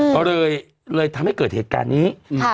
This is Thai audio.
ก็เลยเลยทำให้เกิดเหตุการณ์นี้